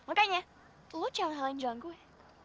makanya lo jangan halain jalan gue